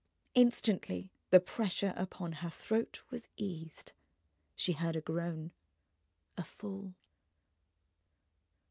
Instantly the pressure upon her throat was eased. She heard a groan, a fall